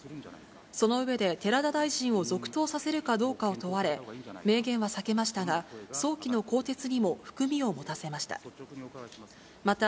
その上で、寺田大臣を続投させるかどうかを問われ、明言は避けましたが、早期の更迭にも含みを持たせました。